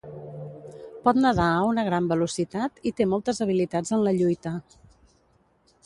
Pot nedar a una gran velocitat i té moltes habilitats en la lluita.